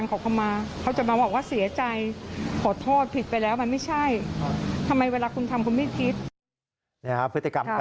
แค่มีดปักคอไม่พอ